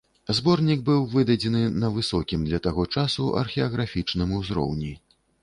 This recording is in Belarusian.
Зборнік быў выдадзены на высокім для таго часу археаграфічным узроўні.